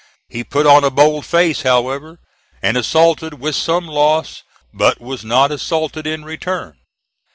He put on a bold face, however, and assaulted with some loss, but was not assaulted in return.